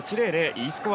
Ｅスコア